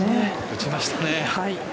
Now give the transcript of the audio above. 打ちましたね。